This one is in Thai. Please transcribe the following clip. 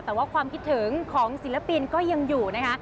แต่ว่าความคิดถึงของศิลปินก็ยังอยู่นะคะ